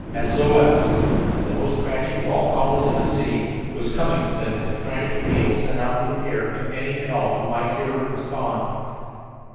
"SOS" the most tragic of all the calls of the sea, was coming to them as a frantic appeal sent out through the air to any and all who might hear and respond.